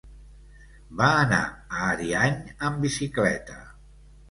Va anar a Ariany amb bicicleta.